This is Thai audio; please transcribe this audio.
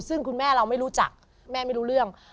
ซึ่งคุณแม่เราไม่รู้จักแม่ไม่รู้เรื่อง